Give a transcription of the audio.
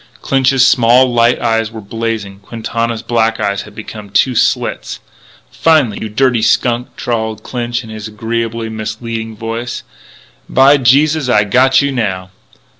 Clinch's small, light eyes were blazing; Quintana's black eyes had become two slits. Finally: "You dirty skunk," drawled Clinch in his agreeably misleading voice, "by Jesus Christ I got you now."